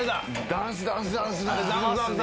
「ダンス、ダンス、ダンス」だ。